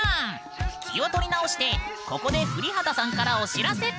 気を取り直してここで降幡さんからお知らせ。